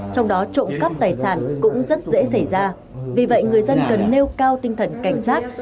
trong đó trộm cắp tài sản cũng rất dễ xảy ra vì vậy người dân cần nêu cao tinh thần cảnh giác